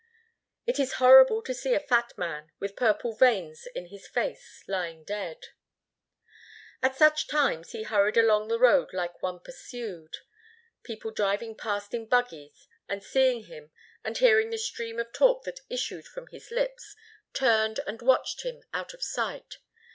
"It is horrible to see a fat man with purple veins in his face lying dead." At such times he hurried along the road like one pursued. People driving past in buggies and seeing him and hearing the stream of talk that issued from his lips, turned and watched him out of sight.